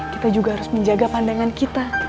kita juga harus menjaga pandangan kita